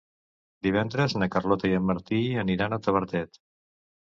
Divendres na Carlota i en Martí aniran a Tavertet.